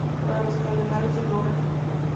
Para los cardenales es roja.